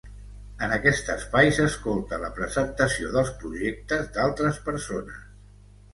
En aquest espai s'escolta la presentació dels projectes d'altres persones.